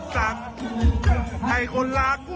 แฮปปี้เบิร์สเจทูยู